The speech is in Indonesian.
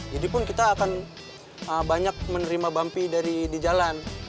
jadi pun kita akan banyak menerima bumpy di jalan